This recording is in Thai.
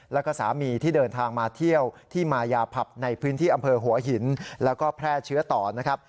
แล้วก็สามีที่เดินทางมาเที่ยวที่มายาผับในพื้นที่อำเภอหัวหินแล้วก็แพร่เชื้อต่อนะครับ